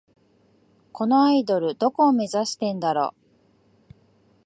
このアイドル、どこを目指してんだろ